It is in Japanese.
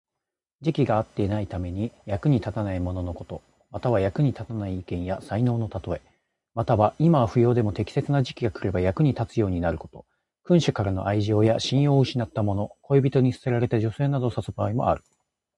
時期が合っていないために、役に立たないもののこと。または、役に立たない意見や才能のたとえ。または、今は不要でも適切な時期が来れば役に立つようになること。君主からの愛情や信用を失ったもの、恋人に捨てられた女性などを指す場合もある。